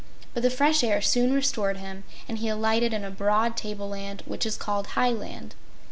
But the fresh air soon restored him and he alighted in a broad table land which is called Hiland.